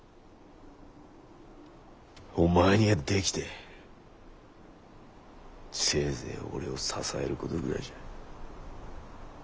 お前にはできてせいぜい俺を支えることぐらいじゃ。